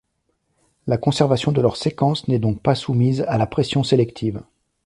La conservation de leurs séquences n’est donc pas soumise à la pression sélective.